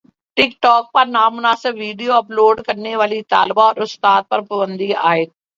ٹک talk پر نامناسب video upload کرنے والی طالبہ اور استاد پر پابندی عائد